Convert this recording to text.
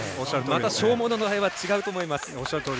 また消耗の度合いは違うと思います。